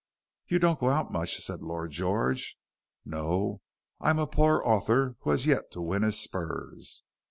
"You don't go out much," said Lord George. "No, I am a poor author who has yet to win his spurs."